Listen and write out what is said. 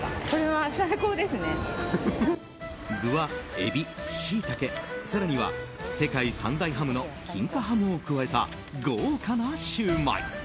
具はエビ、シイタケ、更には世界三大ハムの金華ハムを加えた豪華なシューマイ。